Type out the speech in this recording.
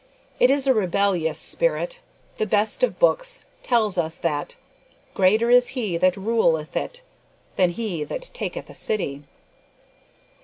It is a rebellious spirit. The best of books tells us that, "Greater is he that ruleth it, than he that taketh a city."